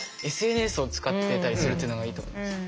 ＳＮＳを使ってたりするっていうのがいいと思いました。